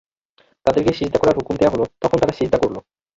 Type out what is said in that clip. তাদেরকে সিজদা করার হুকুম দেয়া হলো, তখন তারা সিজদা করল।